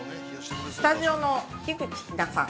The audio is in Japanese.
スタジオの樋口日奈さん。